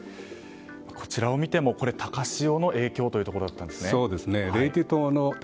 こちらを見ても、高潮の影響ということだったんですね。